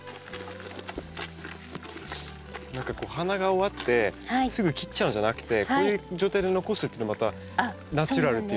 何かこう花が終わってすぐ切っちゃうんじゃなくてこういう状態で残すっていうのもまたナチュラルっていうかいいですね。